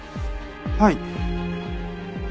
はい。